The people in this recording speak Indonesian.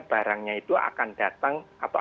barangnya itu akan datang atau